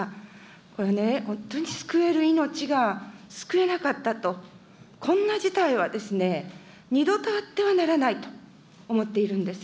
これね、本当に救える命が救えなかったと、こんな事態はですね、二度とあってはならないと思っているんです。